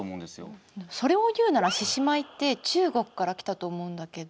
それを言うなら獅子舞って中国から来たと思うんだけど。